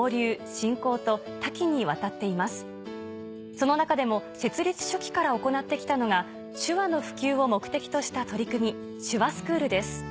その中でも設立初期から行って来たのが手話の普及を目的とした取り組み手話スクールです。